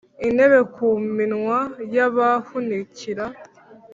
itembe ku minwa y’abahunikira.